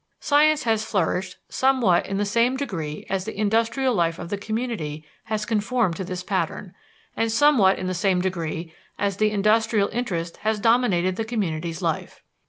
Science has flourished somewhat in the same degree as the industrial life of the community has conformed to this pattern, and somewhat in the same degree as the industrial interest has dominated the community's life.